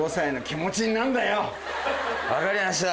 分かりました！